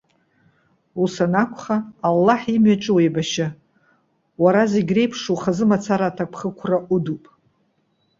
Ус анакәха, Аллаҳ имҩаҿы уеибашьы. Уара зегьы реиԥш ухазы мацара аҭакԥхықәра удуп.